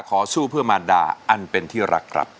ขอสู้เพื่อมารดาอันเป็นที่รักครับ